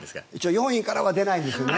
４位からは出ないんですよね。